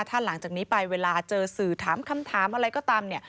ถ้าหลังจากนี้ไปเวลาเจอสื่อถามคำถามอะไรก็ตามเนี่ย